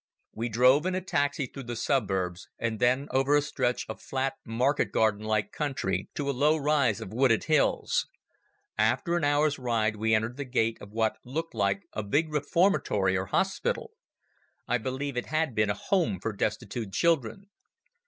We drove in a taxi through the suburbs and then over a stretch of flat market garden like country to a low rise of wooded hills. After an hour's ride we entered the gate of what looked like a big reformatory or hospital. I believe it had been a home for destitute children.